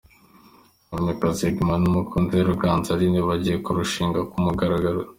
Ngomirakiza Hegman n'umukunzi we Ruganza Aline bagiye kurushinga ku mugaragaro.